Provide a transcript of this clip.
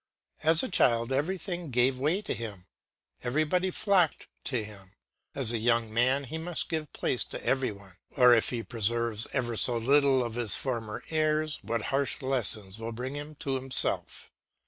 As a child everything gave way to him, everybody flocked to him; as a young man he must give place to every one, or if he preserves ever so little of his former airs, what harsh lessons will bring him to himself!